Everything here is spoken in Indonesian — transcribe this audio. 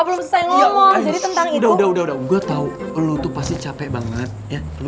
belum selesai ngomong jadi tentang itu udah udah udah udah gua tahu lu pasti capek banget ya lo